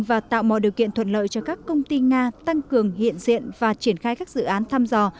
và tạo mọi điều kiện thuận lợi cho các công ty nga tăng cường hiện diện và triển khai các dự án thăm dò